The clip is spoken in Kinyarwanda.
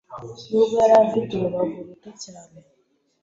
nubwo yari afite urubavu ruto cyane